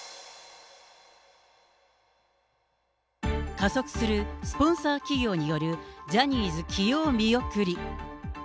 加速するスポンサー企業によるジャニーズ起用見送り。